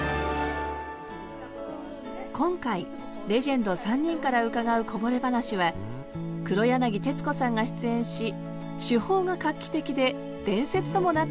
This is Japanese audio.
今回レジェンド３人から伺うこぼれ話は黒柳徹子さんが出演し手法が画期的で伝説ともなっている番組について。